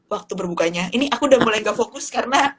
waktu berbukanya ini aku udah mulai gak fokus karena